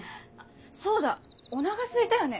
そうだおながすいたよね？